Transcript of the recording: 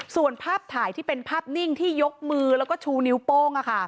ส่วนภาพถ่ายที่เป็นภาพนิ่งที่ยกมือแล้วก็ชูนิ้วโป้ง